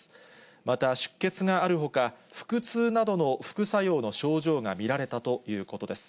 また、出血があるほか、腹痛などの副作用の症状が見られたということです。